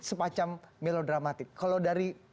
semacam melodramatik kalau dari